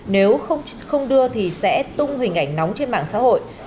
nếu không đưa thì sẽ tung hình ảnh nóng trên mạng xã hội